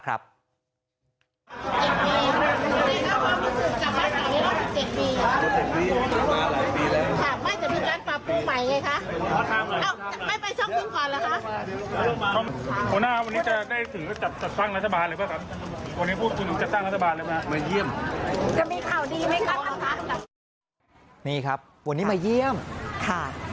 ได้ถึงก็จัดสร้างรัฐบาลเลยป่ะครับ